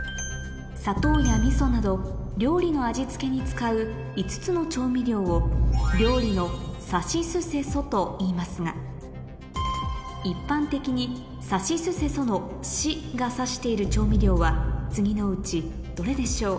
砂糖や味噌など料理の味付けに使う５つの調味料をといいますが一般的に「さしすせそ」の「し」が指している調味料は次のうちどれでしょう？